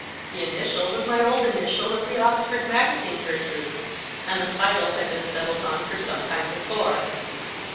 The initial was my old initial of the Oxford Magazine verses, and the title had been settled on for some time before.